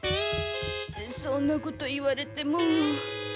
そんなこと言われても。